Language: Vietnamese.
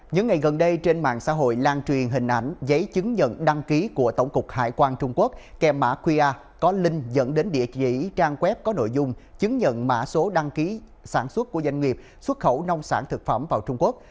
những ngày gần đây trên mạng xã hội lan truyền hình ảnh giấy chứng nhận đăng ký của tổng cục hải quan trung quốc kèm mã qr có linh dẫn đến địa chỉ trang web có nội dung chứng nhận mã số đăng ký sản xuất của doanh nghiệp xuất khẩu nông sản thực phẩm vào trung quốc